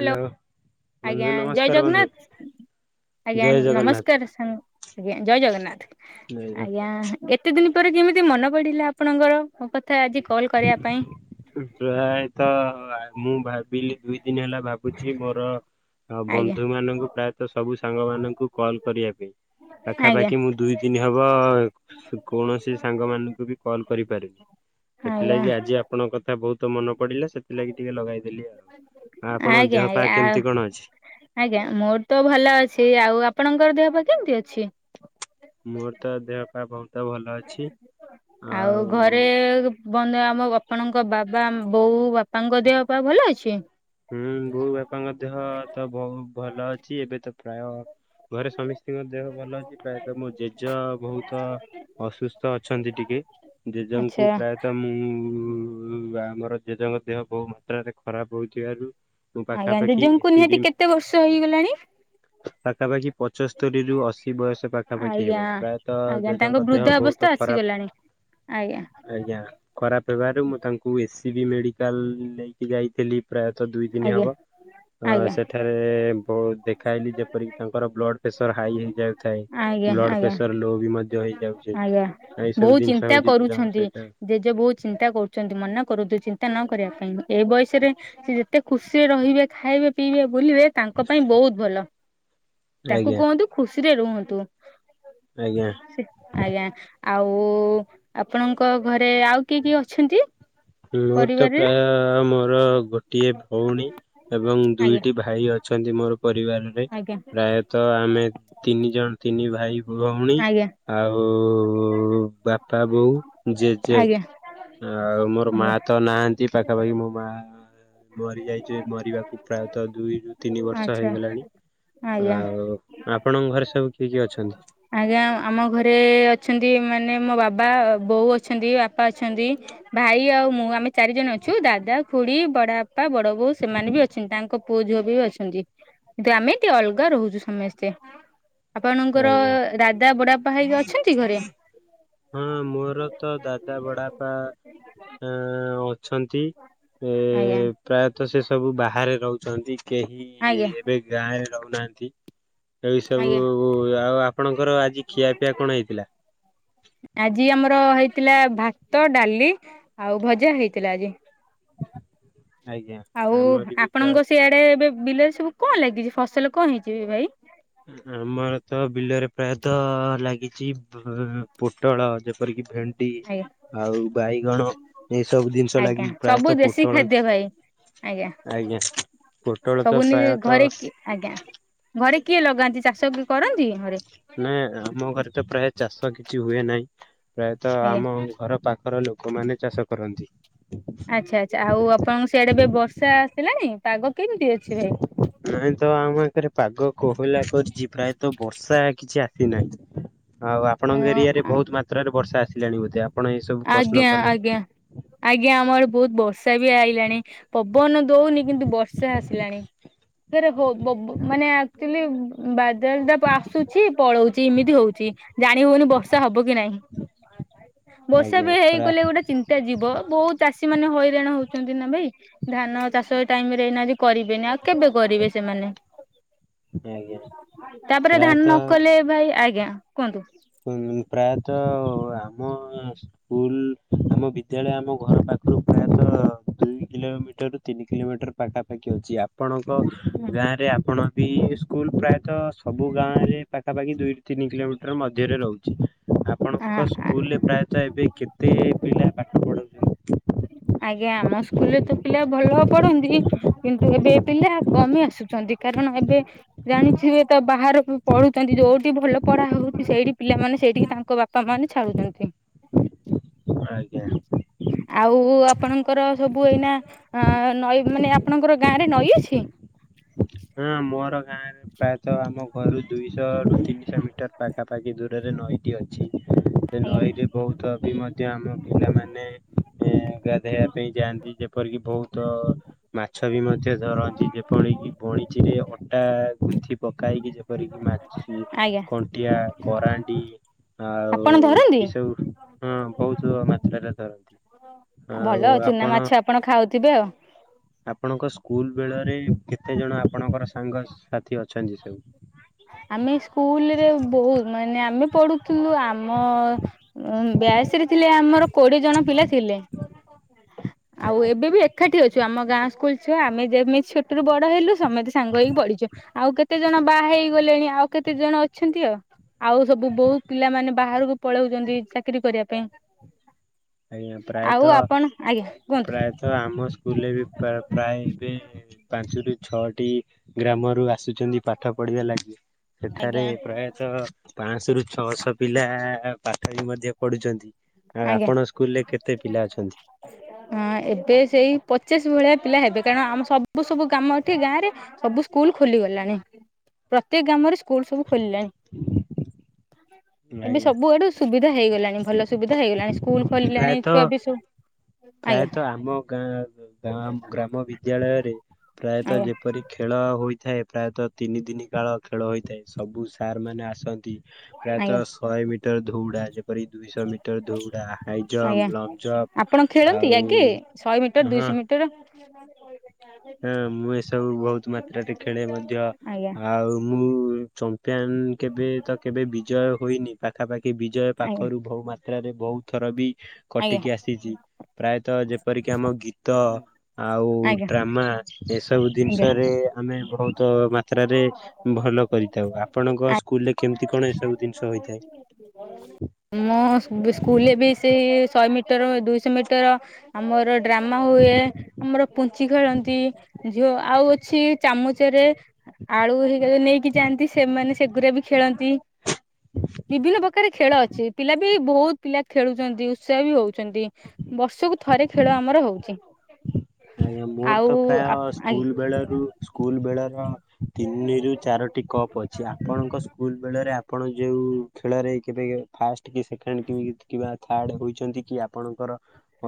Hello ବନ୍ଧୁ ଆଜ୍ଞା ଜୟ ନମସ୍କାର ବନ୍ଧୁ ଜଗନ୍ନାଥ। ଆଜ୍ଞା ଜୟ ଜଗନ୍ନାଥ। ନମସ୍କାର ସାଙ୍ଗ ଆଜ୍ଞା ଜୟ ଜଗନ୍ନାଥ ଜୟ ଜଗନ୍ନାଥ। ଆଜ୍ଞା। କେତେ ଦିନି ପରେ କେମିତି ମନ ପଡିଲା ଆପଣଙ୍କର ମୋ କଥା ଆଜି କଲ କରିବା ପାଇଁ? ପ୍ରାୟତ ଆ ମୁଁ ଭାବିଲି ଦୁଇ ଦିନି ହେଲା ଭା ବୁଚି ମୋର ଆଜ୍ଞା ବନ୍ଧୁ ମାନଙ୍କୁ ପ୍ରାୟତଃ ସବୁ ସାଙ୍ଗ ମାନଙ୍କୁ କଲ କରିବା ପାଇଁ। ଆଜ୍ଞା ପାଖାପାଖି ମୁଁ ଦୁଇ ଦିନି ହବ କୌଣସି ସାଙ୍ଗ ମାନୁଙ୍କୁ ବି କଲ୍ କରିପାରୁନି। ଆଜ୍ଞା ସେଥିଲାଗି ଆଜି ଆପଣଙ୍କ କଥା ବହୁତ ମନେ ପଡିଲା ସେ ସେଥିଲାଗି ଟିକେ ଲଗେଇଦେଲି ଆଉ ଆପଣଙ୍କ ଆଜ୍ଞା ଦେହ ଆଜ୍ଞା ପା ଆଉ କେମିତି କଣ ଅଛି? ଆଜ୍ଞା ମୋର ତ ଭଲ ଅଛି ଆଉ ଆପଣଙ୍କର ଦେହ ପା କେମିତି ଅଛି? ମୋର ତ ଦେହ ପା ବହୁତ ଭଲ ଅଛି ଆଉ [unintelligible] ଆମ ଆପଣଙ୍କ ବାବା ବୋଉ ବାପାଙ୍କ ଦେହ ପା ଭଲ ଅଛି? ହୁଁ ବୋଉ ବାପା ଦେହ ତ ବହୁ ଭଲ ଅଛି ଏବେ ତ ପ୍ରାୟ ଘରେ ସମିସ୍ତିଙ୍କ ଦେହ ଭଲ ଅଛି ପ୍ରାୟତ ମୋ ଜେଜ ବହୁତ ଅସୁସ୍ଥ ଅଛନ୍ତି ଟିକେ ଆଚ୍ଛା ଜେଜଙ୍କୁ ପ୍ରାୟ ତ ମୁଁ ଆମର ଜେଜେଙ୍କ ଦେହ ବହୁ ମାତ୍ରାରେ ଖରାପ ହଉଥିବାରୁ ମୁଁ ଆଜ୍ଞା ପାଖାପାଖି ଜେଜଙ୍କୁ ଏସି ବି ନିହାତି କେତେ ବର୍ଷ ହେଇଗଲାଣି? ପାଖାପାଖି ପଚଶ ତୁରୀରୁୁ ଅଶୀ ବୟସ ପାଖାପାଖି ଆଜ୍ଞା ହେବ ପ୍ରାୟତଃ ଆଜ୍ଞା ତାଙ୍କ ଜେଜେଙ୍କ ଦେହ ବୃଦ୍ଧା ଅବସ୍ଥା ବହୁତ ଖରାପ। ଆସିଗଲାଣି ଆଜ୍ଞା। ଆଜ୍ଞା ଖରାପ ହେବାରୁ ମୁଁ ତାଙ୍କୁ ଏସ୍ ସି ବି ମେଡିକାଲ ନେଇକି ଯାଇଥିଲି। ପ୍ରାୟତଃ ଦୁଇ ଦିନି ଆଜ୍ଞା। ହବ। ଅ ଆଜ୍ଞା ସେଠାରେ ବହୁତ୍ ଦେଖାଇଲି ଯେପରିକି ତାଙ୍କର ବ୍ଲଡ ପେସର ହାଇ ହେଇଯାଉଥାଏ। ଆଜ୍ଞା ବ୍ଲଡ ଆଜ୍ଞା ପ୍ରେସର ଲୋ ବି ମଧ୍ୟ ହେଇଯାଉଚି ଆଜ୍ଞା ଏଇ ସବୁ ବହୁତ ଜିନିଷ ଚିନ୍ତା ହଉଚି ଜେଜେ ଙ୍କ କରୁଛନ୍ତି। ସହିତ। ଜେଜେ ବହୁତ ଚିନ୍ତା କରୁଚନ୍ତି ମନା କରୁନ୍ତୁ ଚିନ୍ତା ନ କରିବା ପାଇଁ ଏ ବୟସରେ ସିଏ ଯେ ତେ ଖୁସିରେ ରହିବେ ଖାଇବେ ପିଇବେ ବୁଲିବେ ତାଙ୍କ ପାଇଁ ବହୁତ ଭଲ ତାଙ୍କୁ ଆଜ୍ଞା କୁହନ୍ତୁ ଖୁସିରେ ରୁହନ୍ତୁ। ଆଜ୍ଞା। ସେ ଆଜ୍ଞା ଆଉ ଆପଣଙ୍କ ଘରେ ଆଉ କିଏ କିଏ ଅଛନ୍ତି? ମୋର ତ ପରିବାରରେ ପ୍ରାୟ ମୋର ଗୋଟିଏ ଭଉଣୀ ଏବଂ ଆଜ୍ଞା ଦୁଇଟି ଭା ଭାଇ ଅଛନ୍ତି ମୋର ପରିବାରରେ ଆଜ୍ଞା ପ୍ରାୟତଃ ଆମେ ତିନି ଜଣ ତିନି ଭାଇ। ଭଉଣୀ ଆଜ୍ଞା ଆଉ ବାପା, ବୋଉ, ଜେଜେ। ଆଜ୍ଞା ଆଉ ମୋର ମା ଆଜ୍ଞା ତ ନାହାନ୍ତି ପା ପାଖାପାଖି ମୋ ମା ମରିଯାଇଚି ମରିବାକୁ ପ୍ରାୟତଃ ଦୁଇରୁ ତିନି ବର୍ଷ ଆଚ୍ଛା ହେଇଗଲାଣି ଆଜ୍ଞା। ଆଉ ଆପଣଙ୍କ ଘରେ ସବୁ କିଏ କିଏ ଅଛନ୍ତି? ଆଜ୍ଞା ଆମ ଘରେ ଅଛନ୍ତି ମାନେ ମୋ ବାବା ବୋଉ ଅଛନ୍ତି ବାପା ଅଛନ୍ତି। ଭାଇ ଆଉ ମୁଁ ଆମେ ଚାରି ଜଣ ଅଛୁ ଦାଦା ଖୁଡି ବଡବାପା ବଡ ବୋଉ ସେମାନେ ବି ଅ ଛି ତାଙ୍କ ପୁଅ ଝିଅ ବି ଅଛନ୍ତି କିନ୍ତୁ ଆମେ ଟି ଅଲଗା ରହୁଚୁ ସମେସ୍ତେ। ଆପଣଙ୍କର ଆଜ୍ଞା ଦାଦା ବଡବାପା ହଇକା ଅଛନ୍ତି ଘରେ? ହଁ ମୋର ତ ଦାଦା ବଡବାପା ଅଛନ୍ତି। ଏ ଆଜ୍ଞା। ପ୍ରାୟତଃ ସେ ସବୁ ବାହାରେ ରହୁଚନ୍ତି କେହି ଆଜ୍ଞା ଏବେ ଗାଁରେ ରହୁନାହାନ୍ତି। ଏଇ ସବୁ ଆଜ୍ଞା। ଆଉ ଆପଣଙ୍କର ଆଜି ଖିଆପିଆ କଣ ହେଇଥିଲା? ଆଜି ଆମର ହେଇଥିଲା ଭାତ ଡାଲି ଆଉ ଭଜା ହେଇଥିଲା ଆଜି। ଆଜ୍ଞା ଆଉ ଆମର ବି ପ୍ରାୟ ଆପଣଙ୍କ ସିଆଡେ ଏବେ ବିଲରେ ସବୁ କଣ ଲାଗିଚି ଫସଲ କଣ ହେଇଚି ବି ଭାଇ? ଆମର ତ ବିଲରେ ପ୍ରାୟତ ଲାଗିଚି ପୋଟଳ ଯେପରିକି ଭେ ଭେଣ୍ଡି ଆଜ୍ଞା। ଆଉ ବାଇଗଣ ଏଇସବୁ ଜିନିଷ ଆଜ୍ଞା ଲାଗିଚି ସବୁ ପ୍ରାୟତଃ ଦେଶୀ ପୋଟଳ ଖାଦ୍ୟ ଭାଇ ଆଜ୍ଞା ଆଜ୍ଞା ପୋଟଳ ସବୁ ତ ନିଜେ ଘରେ ପ୍ରାୟତଃ କି ଆଜ୍ଞା ଘରେ କିଏ ଲଗାନ୍ତି ଚାଷ କିଏ କରନ୍ତି ଘରେ? ନାଇ ଆମ ଘରେ ତ ପ୍ରାୟ ଚାଷ କିଛି ହୁଏ ନାହିଁ ପ୍ରାୟତ ଆଜ୍ଞା ଆମ ଘର ପାଖର ଲୋକ କମାନେ ଚାଷ କରନ୍ତି। ଆଚ୍ଛା, ଆଚ୍ଛା ଆଉ ଆପଣଙ୍କ ସିଆଡେ ଏବେ ବର୍ଷା ଆସିଲାଣି ପାଗ କେମିତି ଅଛି ଭାଇ? ନାଇଁ ତ ଆମ ପାଖରେ ପାଗ କୋହଲା କରିଛି ପ୍ରାୟତ ବର୍ଷା କିଛି ଆସିନାହିଁ। ଆଉ ଆପଣଙ୍କ ଏରିଆ ରେ ଅ ବହୁତ ମାତ୍ରାରେ ବର୍ଷା ଆସିଲାଣି ବୋଧେ ଆପଣ ଏ ସବୁ ପ୍ରଶ୍ନ ଆଜ୍ଞା କଲେ। ଆଜ୍ଞା ଆଜ୍ଞା ଆମର ବହୁତ ବର୍ଷା ବି ଆଇଲାଣି, ପବନ ଦଉନି କିନ୍ତୁ ବର୍ଷା ଆସିଲାଣି। ରେ ବ ବ ମାନେ ଆକ୍ଚୁଆଲି ବାଦଲଟା ଆସୁଛି, ପଳଉଛି ଏମିତି ହଉଛି। ଜାଣି ହଉନି ବର୍ଷା ହବ କି ନାହିଁ, ବର୍ଷା ଆଜ୍ଞା ବି ପ୍ରାୟ ହେଇଗଲେ ଗୋଟେ ଚିନ୍ତା ଚିନ୍ତା ଯିବ, ବହୁତ ଚାଷୀ ମାନେ ହଇରାଣ ହଉଛନ୍ତି ନା ଭାଇ। ଧାନ ଚାଷ ଏ ଟାଇମ ରେ ଏଇନା କରିବେନି ଆଉ କେବେ କରିବେ ସେମାନେ, ଆଜ୍ଞା ତାପରେ ଧାନ ନ ପ୍ରାୟତଃ କଲେ ଭାଇ ଆଜ୍ଞା। କୁହନ୍ତୁ। ହୁଁ ପ୍ରାୟତଃ ଆମ ସ୍କୁଲ ଆମ ବିଦ୍ୟାଳୟ ଆମ ଘର ପାଖରୁ ପ୍ରାୟତଃ ଦୁଇ କିଲୋମିଟରରୁୁ ତିନି କିଲୋମିଟର ପାଖାପାଖି ଅଛି, ଆପଣଙ୍କ ହୁଁ। ଗାଁରେ ଆପଣ ବି ସ୍କୁଲ ପ୍ରାୟତଃ ସବୁ ଗାଁ ରେ ପାଖାପାଖି ଦୁଇରୁ ତିନି କିଲୋମିଟର ମଧ୍ୟରେ ରହୁଛି। ଆପଣଙ୍କ ସ୍କୁଲରେ ପ୍ରାୟତଃ ଏବେ କେତେ ପିଲା ପାଠ ପଢାଉଛନ୍ତି? ଆଜ୍ଞା ଆମ ସ୍କୁଲରେ ତ ପିଲା ଭଲ ପଢନ୍ତି। କିନ୍ତୁ ଏବେ ପିଲା କମି ଆସୁଛନ୍ତି, କାରଣ ଏବେ ଜାଣିଥିବେ ତ ବାହାରକୁ ପଢୁଛନ୍ତି ଯୋଉ ଯୋଉଠି ଭଲ ପଢା ହଉଛି ସେଇଠି ପିଲାମାନେ ସେଠିକି ତାଙ୍କ ବାପା ମାନେ ଛାଡୁଛନ୍ତି। ଆଜ୍ଞା। ଆଉ ଆପଣଙ୍କର ସବୁ ଏଇନା ନଈ ମାନେ ଆପଣଙ୍କର ଗାଁ ରେ ନଈ ଅଛି? ହଁ ମୋର ଗାଁ ପ୍ରାୟତଃ ଆମ ଘରୁ ଦୁଇଶହ ରୁ ତିନିଶହ ମିଟର ପାଖାପାଖି ଦୂରରେ ନଈଟି ଅଛି। ସେ ଆଜ୍ଞା ନଈ ରେ ବହୁତ ବି ମଧ୍ୟ ଆମ ପିଲାମାନେ ଗାଧୋଇବା ପାଇଁ ଯାଆନ୍ତି ଯେପରିକି ବହୁତ ମାଛ ବି ମଧ୍ୟ ଧରନ୍ତି, ଯେପରିକି କିି ବଣୀ ମାଚିରେ ଅଟା ଗୁନ୍ଥି ପକାଇକି ଯେପରିକି ମାଛ କ ଆଜ୍ଞା। କଣ୍ଟିଆ, କରାଣ୍ଡି ଆଉ ଆପଣ ଧରନ୍ତି? ଏଇ ସବୁ। ହଁ ବହୁତ ମାତ୍ରରେ ଧରନ୍ତି। ଆ ଭଲ ଚୁନା ମାଛ ଆପଣ ଖାଉଥିବେ ଆଉ। ଆପଣଙ୍କ ସ୍କୁଲ ବେଳରେ କେତେ ଜଣ ଆପଣଙ୍କର ସାଙ୍ଗସାଥି ଅଛନ୍ତି ସବୁ। ଆମେ ସ୍କୁଲରେ ବହୁତ ମାନେ ଆମେ ପଢୁଥିଲୁ ଆମ ଉ ବ୍ୟାଚ ରେ ଥିଲେ ଆମର କୋଡିଏ ଜଣ ପିଲା ଥିଲେ। [inaudible] ଆଉ ଏବେ ବି ଏକାଠି ଅଛୁ, ଆମ ଗାଁ ସ୍କୁଲ ଛୁଆ ଆମେ ଯେମିତି ଛୋଟରୁ ବଡ ହେଲୁ, ସମେତେ ସାଙ୍ଗ ହେଇକି ପଢିଛୁ। ଆଉ କେତେ ଜଣ ବାହା ହେଇଗଲେଣି, ଆଉ କେତେ ଜଣ ଅଛନ୍ତି ଆଉ। ଆଉ ସବୁ ବହୁତ ପିଲାମାନେ ବାହାରକୁ ପଳଉଛନ୍ତି ଚାକିରି କରିବା ପାଇଁ। ଆଜ୍ଞା ଆଉ ଆପଣ ଆଜ୍ଞା କୁହନ୍ତୁ। ତ ଆମ ସ୍କୁଲରେ ବି ପ୍ରାୟ ଏବେ ପାଞ୍ଚରୁ ଛଅଟି ଗ୍ରାମରୁ ଆସୁଛନ୍ତି ପାଠ ପଢିବା ଲାଗି। ସେଠାରେ ଆଜ୍ଞା ପ୍ରାୟତଃ ପାଆଁଶରୁୁ ଛଅଶହ ପିଲା ପାଠ ବି ମଧ୍ୟ ପଢୁଛନ୍ତି, ଆ ଆଜ୍ଞା। ଆପଣ ସ୍କୁଲ ରେ କେତେ ପିଲା ଅଛନ୍ତି? ହଁ ଏବେ ସେଇ ପଚାଶ ଭଳିଆ ପିଲା ହେବେ, କାରଣ ଆମ ସବୁ ସବୁ କାମ ଏଠି ଗାଁ ରେ ସବୁ ସ୍କୁଲ ଖୋଲି ଗଲାଣି, ପ୍ରତେକ ଗ୍ରାମରେ ସ୍କୁଲ ସବୁ ଖୋଲିଲାଣି, ଏବେ ଆଜ୍ଞା ସବୁଆଡୁ ସୁବିଧା ଧା ହେଇଗଲାଣି ଭଲ ସୁବିଧା ହେଇଗଲାଣି ସ୍କୁଲ ଖୋଲିଲାଣି ପ୍ରାୟତଃ ଛୁଆ ବି ସୁବ୍ ପ୍ରାୟତଃ ଆମ ଗାଁ ଗାମ୍ ଗ୍ରାମ ବିଦ୍ୟାଳୟରେ ପ୍ରାୟତଃ ଆଜ୍ଞା ଯେପରି ଖେଳ ହୋଇଥାଏ ପ୍ରାୟତଃ ତିନି ଦିନି କାଳ ଖେଳ ହୋଇଥାଏ ସବୁ ସାରମାନେ ଆସନ୍ତି। ଆଜ୍ଞା ପ୍ରାୟତଃ ଶଏ ମିଟର ଧୋଉଡା ଯେପ୍ ପରି ଦୁଇଶ ମିଟର ଦୋଉଡା ହାଇ ଜମ୍ ଲମ୍ ଜମ୍ପ୍। ତି ଆଗେ ଶଏ ମିଟର ଦୁଇଶ ମିଟର ହଁ ମୁଁ ଏସବୁ ବୋହୁତ ମାତ୍ରାରେ ଖେଳେ ମଧ୍ୟ ଆଜ୍ଞା ଆଉ ମୁଁ ଚମ୍ପ୍ ପିଅନ୍ କେବେ ତ କେବେ ବିଜୟ ହୋଇନି ପାଖାପାଖି ବିଜୟ ଆଜ୍ଞା ପାଖରୁ ଭୋଉ ମା ତ୍ରାରେ ଭୋଉତ ଥର ବି ଆଜ୍ଞା କଟିକି ଆସିଚି ପ୍ରାୟତଃ ଯେପରିକି ଆମ ଗୀତ ଆଉ ଆଜ୍ଞା ଡ୍ରାମା ଏସବୁ ଆଜ୍ଞା ଦିନିଷରେ ଆମେ ଭୋଉତ ମାତ୍ରାରେ ଉଁ ଭଲ କରିଥାଉ। ଆପଣଙ୍କ ସ୍କୁଲରେ କେମତି କଣ ଏସବୁ ଦିନିଷ ହୋଇଥାଏ? ମୋ ସ୍କୁ ବିସ୍କୁ ସ୍କୁଲରେ ବି ସେଇ ଶଏ ମିଟର ଦୁଇଶ ମିଟର ଆମର ଡ୍ରାମା ହୁଏ। ଆମର ପୁଞ୍ଚି ଖେଳନ୍ତି ଝି ଝିଅ ଆଉ ଅଛି ଚାମୁଚରେ ଆଳୁ ଘରିକା ଯୋଉ ନେଇକି ଯାଆନ୍ତି ସେମାନେ ସେଗୁରା ବି ଖେଳନ୍ତି। ବିଭିନ୍ନ ପକାରେ ଖେଳ ଅଛି ପିଲା ବି ବୋହୁତ ପିଲା ଖେଳୁଛନ୍ତି ଉତ୍ସାହ ବି ହଉଛନ୍ତି। ବର୍ଷୁକୁ ଥରେ ଖେଳ ଆମର ହଉଚି। [inaudible] ଆଜ୍ଞା ମୋର ତ ଆପ ପ୍ରାୟ ଆଜ୍ଞା ସ୍କୁଲ ବେଳରୁ ସ୍କୁଲ ବେଳର ତିନିରୁ ଚାର ଟି କପ୍ ଅଛି ଆପଣଙ୍କ ସ୍କୁଲ ବେଳେରେ ଆପଣ ଯେଉ ଖେଳରେ କେବେ ଫାଷ୍ଟ୍ ଟ କି ସେକେଣ୍ଡ କି କିବା ଥାର୍ଡ ହୋଇଛନ୍ତି କି ଆପଣଙ୍କର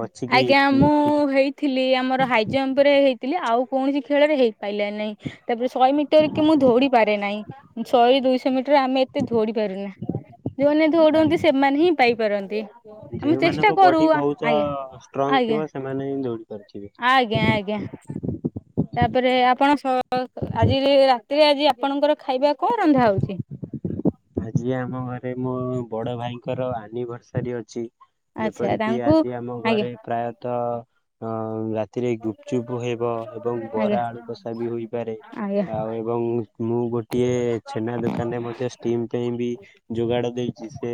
ଅଛି କି ଆଜ୍ଞା ମୁଁ କିଛି ହେଇଥିଲି ଆମର ହାଇ ଜମ୍ପରେ ହେଇଥିଲି ଆଉ କୋଣିସି ଖେଳେରେ ହେଇ ପାଇଲା ନାଇଁ ତାପରେ ଶଏ ମିଟର କି ମୁଁ ଧୌଡି ପାରେ ନାଇଁ ଉଁ ଛଏ ଦୁଇଶ ମିଟର ଆମେ ଏତେ ଧୌଡି ପାରୁନା। ଯୋଉମାନେ ଧୌଡନ୍ତି ଆଜ୍ଞା। ସେମାନେ ହିଁ ପାଇପାରନ୍ତି ଆମେ ଚେଷ୍ଟା କରୁ ଆ ଚ ଷ୍ଟ୍ରଙ୍ଗ୍ ଥିବ ସେମାନେ ହିଁ ଧୌଡି ପାରୁଥିବେ। ଆଜ୍ଞା ଆଜ୍ଞା। ତାପରେ ଆପଣ ସ କ ଆଜି ରାତିରେ ଆଜି ଆପଣଙ୍କର ଖାଇବା କଁ ରନ୍ଧା ହଉଚି? ଆଜି ଆମ ଘରେ ମୋ ବଡ ଭାଇଙ୍କର ଆନିଭରସାରୀ ଅଛି। ଆଚ୍ଛା ଯେପରିକି ତାଙ୍କୁ ଆଜି ଆମ ଆଜ୍ଞା ଘରେ ପ୍ରାୟତଃ ଅଁ ଉଁ ରା ତିରେ ଗୁପଚୁପୁ ହେବ ଏବଂ ଆଜ୍ଞା ବରା ଆଳୁ କଷା ବି ହୋଇପାରେ। ଆଜ୍ଞା ଆଜ୍ଞା ଆଉ ଏବଂ ମୁଁ ଗୋଟିଏ ଛେନା ଦୋକାନରେ ମଧ୍ୟ ଷ୍ ଟିମ୍ ପାଇଁ ବି ଯୋଗାଡ ଦେଇଚି ସେ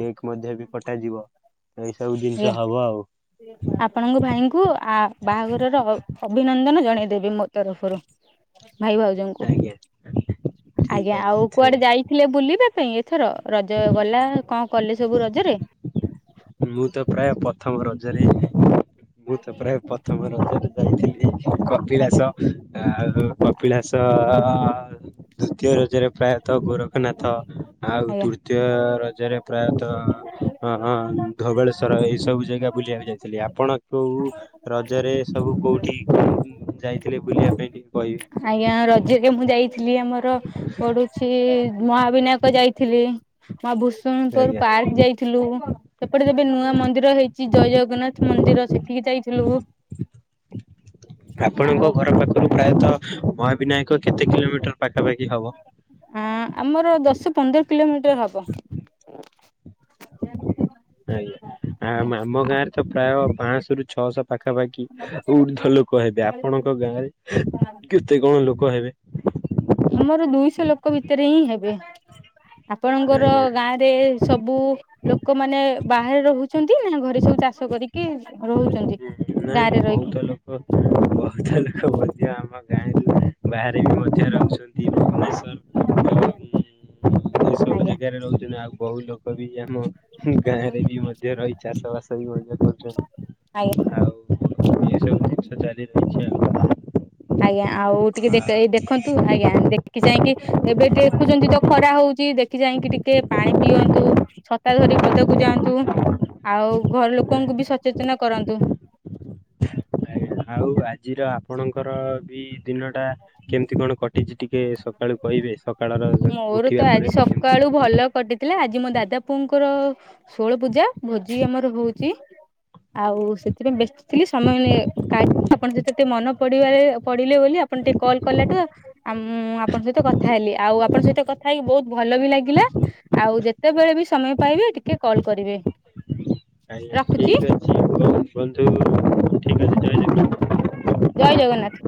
କେକ୍ ମଧ୍ୟ ବି ପଟାଯିବ। ଏଇ ସବୁ ଆଜ୍ଞା ଜିନିଷ ହବ ଆଉ। ଆପଣଙ୍କ ଭାଇଙ୍କୁ ଆ ବାହାଘରର ଅ ଅଭିନନ୍ଦନ ଜଣେଇ ଦେବେ ମୋ ତରଫରୁ ଭାଇ ଭାଉଜଙ୍କୁ ଆଜ୍ଞା ଠିକ ଆଜ୍ଞା ଆଉ ଅଛି କୁଆଡେ ଯାଇ ଥିଲେ ବୁଲିବା ପାଇଁ ଏଥର ରଜ ଗଲା କଁ କଲେ ସବୁ ରଜେରେ? ମୁଁ ତ ପ୍ରାୟ ପଥମ ରଜେରେ ମୁଁ ତ ପ୍ରାୟ ପଥମ ରଜରେ ଯାଇଥିଲି କପିଳାସ। ଆଜ୍ଞା ଆଉ କପିଳାସ ଦ୍ଵୁତୀୟ ରଜେରେ ପ୍ରାୟତଃ ଗୋରଖ୍ ଖନାଥ ଆଉ ଆଜ୍ଞା ତୃତୀୟ ରଜେରେ ପ୍ରାୟତଃ ଅଁ ଅଁ ଉଁ ଧବେଳେଶ୍ୱର ଏହିସବୁ ଜାଗା ବୁଲିଆ ପାଇଁ ଯାଇଥିଲି ଆପଣ କୋଉ ରଜେରେ ସବୁ କୋଉଠିକି [inaudible] ଉଁ ଯାଇଥିଲେ ବୁଲିବା ପାଇଁ ଟିକେ କହିବେ? ଆଜ୍ଞା ରଜେରେ ମୁଁ ଯାଇଥିଲି ଆମର ପଡୁ ଛି ମହାବିନାୟକ ଯାଇଥିଲି ମା ଭୂଷଣୁପୁର ଆଜ୍ଞା ପାର୍କ ଯାଇ ଥିଲୁ ଏପଟେ ଯୋଉ ଏବେ ନୂଆ ମନ୍ଦିର ହେଇଚି ଜୟ ଜଗନ୍ନାଥ ମନ୍ଦିର ସେଠିକି ଯାଇଥିଲୁ। ହଁ! ଆପଣଙ୍କ ଆଉ ଘର ପାଖୁରୁ ପ୍ରାୟତଃ ମହାବିନାୟକ କେତେ କିଲୋମିଟର ପାଖାପାଖି ହବ? ଆଁ ଆମର ଦଶ ପନ୍ଦର କିଲୋମିଟର ହବ। ଆଜ୍ଞା, ଆ ଆମ ଗାଁ ରେ ତ ପ୍ରାୟ ପାଞ୍ଚଶରୁ ଛଅଶହ ପାଖାପାଖି ଉର୍ଦ୍ଧ୍ୱ ଲୋକ ହେବେ ଆପଣଙ୍କ ଗାଁରେ କେତେ କଣ ଲୋକ ହେବେ? ଆମର ଦୁଇଶହ ଲୋକ ଭିତରେ ହିଁ ହେବେ ଆପଣଙ୍କର ଆଜ୍ଞା। ଗାଁ ରେ ସବୁ ଲୋକମାନେ ବାହାରେ ରହୁଛନ୍ତି ନା ଘରେ ସବୁ ଚାଷ କରିକି ରହୁ ଛନ୍ତି ଗାଁରେ ରହିକି? ଓ ବହୁତ ଲୋକ ବୋଧେଆମ ଗାଁରୁ ବାହାରେ ବି ମଧ୍ୟ ରହୁଛନ୍ତି ଭୁବନେଶ୍ଵରରେ! ଏ ସବୁ ଆଜ୍ଞା। ଜାଗାରେ ରହୁଛନ୍ତି ଆଉ ବହୁତ ଲୋକ ବି ଆମ ଗାଁ ରେ ବି ମଧ୍ୟ ରହି ଚାଷ ବାସ ବି ମଧ୍ୟ କରୁଛନ୍ତି! ଆଜ୍ଞା! ଆଉ ଏ ସବୁ ଜିନିଷ ଚାଲିଛି ଅଉ! [unintelligible] ଆଜ୍ଞା ଆଉ ଟିକେ ଡିଟେଲ୍ ଦେଖନ୍ତୁ ଆଜ୍ଞା ଦେଖି ଯାଇ ଚାହିଁ କି ଏବେ ଦେଖୁଛନ୍ତି ତ ଖରା ହଉଛି ଦେଖି ଚାହିଁକି ଟିକେ ପାଣି ପିଅନ୍ତୁ! ଛତା ଧରି ପଦାକୁ ଯାଆନ୍ତୁ ଆଉ ଘର ଲୋକଙ୍କୁ ଆ ବି ସଚେତନ କରାନ୍ତୁ! ଆଉ ଆଜିର ଆପଣଙ୍କର ବି ଦିନ ଟା କେମିତି କଣ କଟିଛି ଟିକେ ସକାଳୁ କହିବେ ସକାଳର ମୋର ତ ଉଠିବା ଆଜି ପରେ? ସକାଳୁ କଣ ଭଲ କଟିଛି? କଟିଥିଲା ଆଜି ମୋ ଦାଦା ପୁଅଙ୍କର ଷୋଳ ପୂଜା ଭୋଜି ଆମର ହଉଛି! ଆଉ ସେଥିପାଇଁ ବ୍ୟସ୍ତ ଥିଲି ସମୟ ହେଲେ କଥା ହେବି ଆପଣ ସେତ ଟିକେ ମନ ପଡିବାରେ ପଡିଲେ ବୋଲି ଆପଣ ଟିକେ କଲ୍ କଲାଠୁ ଆଉ ଆ ମୁଁ ଆପଣଙ୍କ ସହିତ କଥା ହେଲି ଆଉ ଆପଣଙ୍କ ସହିତ କଥା ହେଇକି ବହୁତ ଭଲ ବି ଲାଗିଲା! ଆଉ ଯେତେବେଳେ ବି ସମୟ ପାଇବେ ଟିକେ କଲ୍ କରିବେ! ଆଜ୍ଞା ରଖୁଛି ଠିକ୍ ଅଛି କୁହନ୍ତୁ ଠିକ୍ ଅଛି! [unintelligible] ଜୟ ଜଗନ୍ନାଥ!